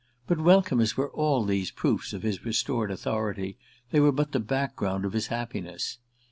But welcome as were all these proofs of his restored authority they were but the background of his happiness.